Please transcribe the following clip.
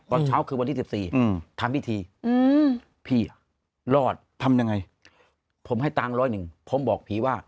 ตอนเช้าคือวันที่๑๔ทำพิธีพี่รอดทำยังไงผมให้ตังค์ร้อยหนึ่งผมบอกผีว่า